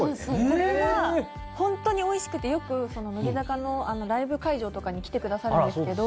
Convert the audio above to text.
これがホントに美味しくてよく乃木坂のライブ会場とかに来てくださるんですけど。